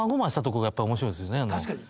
確かに。